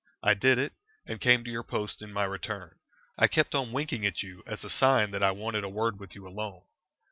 I did it, and came to your post in my return. I kept on winking at you as a sign that I wanted a word with you alone."